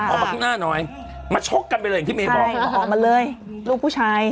ออกมาข้างหน้าหน่อยมาชกกันไปเลยอย่างที่เมย์บอกออกมาเลยลูกผู้ชาย